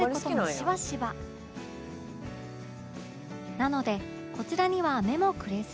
なのでこちらには目もくれず